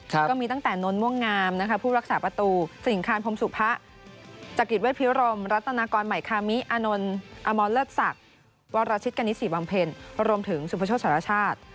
ก็มีตั้งแต่นนทม่วงงามนะคะผู้รักษาประตูสิ่งคานพรมสุพะจักริตเวชพิรมรัตนากรใหม่คามิอานนท์อมรเลิศศักดิ์วรชิตกณิสิบำเพ็ญรวมถึงสุพชสรชาติ